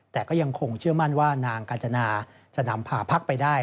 แต่ก็ยังคงเชื่อมั่นว่านางกาจนาจะนำพาพักไปได้